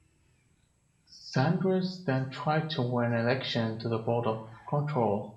Saunders then tried to win election to the Board of Control.